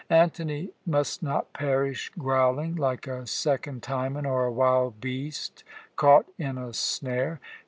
Antony must not perish, growling, like a second Timon, or a wild beast caught in a snare.